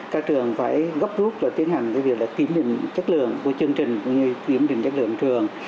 các trường phải góp rút và tiến hành cái việc là kiểm định chất lượng của chương trình cũng như kiểm định chất lượng trường